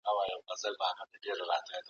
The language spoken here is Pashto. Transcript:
ایا افغان سوداګر جلغوزي اخلي؟